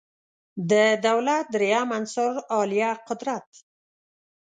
د دولت دریم عنصر عالیه قدرت